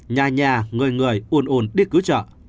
nhà nhà người người ồn ồn đi cứu trợ